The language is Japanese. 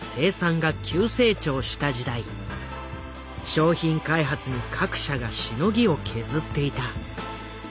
商品開発に各社がしのぎを削っていた。